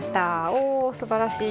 おおすばらしい。